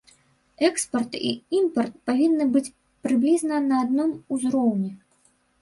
Экспарт і імпарт павінны быць прыблізна на адным узроўні.